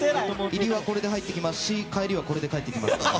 入りはこれで入ってきますし帰りはこれで帰っていきます。